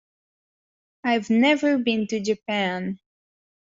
I've never been to Japan.